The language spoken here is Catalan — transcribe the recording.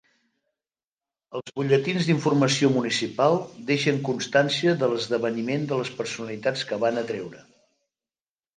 Els butlletins d'informació municipal deixen constància de l'esdeveniment i de les personalitats que va atreure.